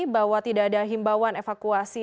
bahwa tidak ada himbauan evakuasi